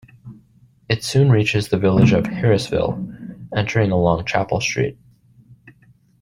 It soon reaches the village of Harrisville, entering along Chapel Street.